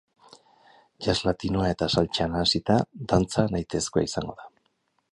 Jazz latinoa eta saltsa nahasita, dantza nahitaezkoa izango da.